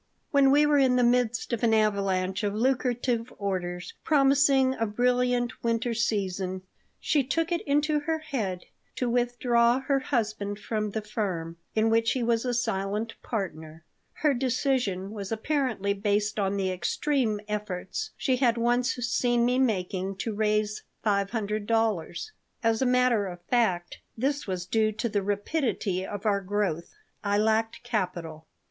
When we were in the midst of an avalanche of lucrative orders promising a brilliant winter season she took it into her head to withdraw her husband from the firm, in which he was a silent partner. Her decision was apparently based on the extreme efforts she had once seen me making to raise five hundred dollars. As a matter of fact, this was due to the rapidity of our growth. I lacked capital.